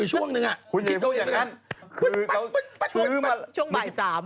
ช่วงบ่ายสาม